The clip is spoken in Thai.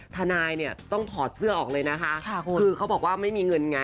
ทนายเนี่ยต้องถอดเสื้อออกเลยนะคะคือเขาบอกว่าไม่มีเงินไง